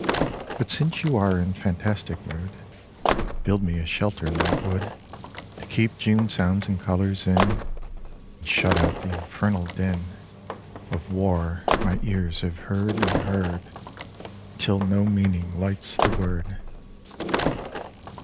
But since you are in fantastic mood, Build me a shelter in that wood To keep June sounds and colors m, And shut out the infernal din Of war my ears have heard and heard Until no meaning lights the word!